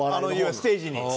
ステージに。